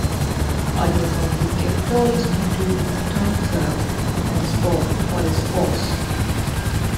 Other public employees include a town clerk and a small police force.